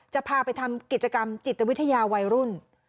จะพาไปทำกิจกรรมจิตวิทยาวัยรุ่น